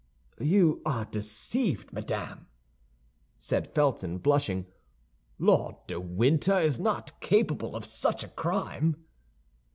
"You are deceived, madame," said Felton, blushing; "Lord de Winter is not capable of such a crime."